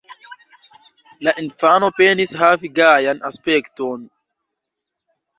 La infano penis havi gajan aspekton.